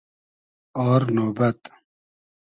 آر نۉبئد